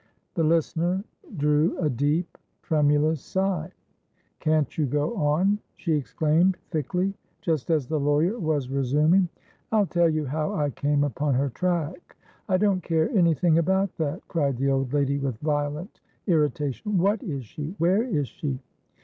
The listener drew a deep, tremulous sigh. "Can't you go on?" she exclaimed, thickly, just as the lawyer was resuming. "I'll tell you how I came upon her track" "I don't care anything about that!" cried the old lady, with violent irritation. "What is she? Where is she?"